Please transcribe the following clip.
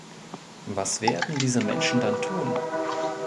Was werden diese Menschen dann tun?